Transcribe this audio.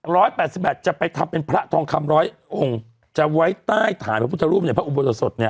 แปดสิบแปดจะไปทำเป็นพระทองคำร้อยองค์จะไว้ใต้ฐานพระพุทธรูปในพระอุโบสถเนี่ย